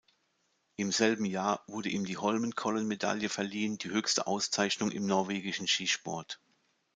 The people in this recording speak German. Im selben Jahr wurde ihm die Holmenkollen-Medaille verliehen, die höchste Auszeichnung im norwegischen Skisport.